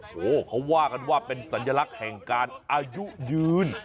โอ้โหเขาว่ากันว่าเป็นสัญลักษณ์แห่งการอายุยืน